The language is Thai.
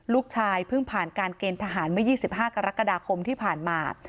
ลูกชายเพิ่งผ่านการเกณฑ์ทหารเมื่อ๒๕กรกฎาคมที่ผ่านมา